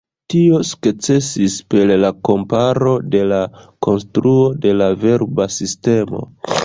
Tio sukcesis per la komparo de la konstruo de la verba sistemo.